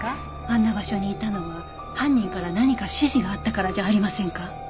あんな場所にいたのは犯人から何か指示があったからじゃありませんか？